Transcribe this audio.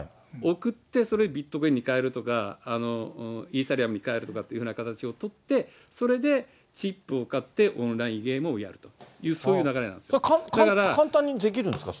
送って、それをビットコインにかえるとか、イーサリアムに換えるとかという形を取って、それでチップを買って、オンラインゲームをやると、そういう流れ簡単にできるんですか？